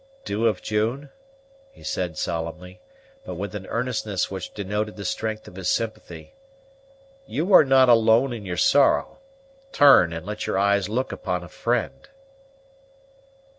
"Dew of June," he said solemnly, but with an earnestness which denoted the strength of his sympathy, "you are not alone in your sorrow. Turn, and let your eyes look upon a friend."